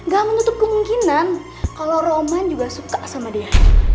gak menutup kemungkinan kalau roman juga suka sama dia